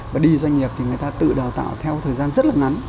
và đi doanh nghiệp thì người ta tự đào tạo theo thời gian rất là ngắn